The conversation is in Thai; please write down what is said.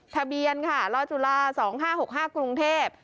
ทะเบียนค่ะลจุฬา๒๕๖๕กรุงเทพฯ